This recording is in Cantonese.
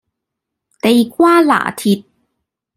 地瓜拿鐵